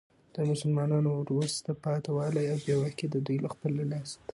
د مسلمانانو وروسته پاته والي او بي واکي د دوې له خپله لاسه ده.